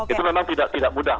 itu memang tidak mudah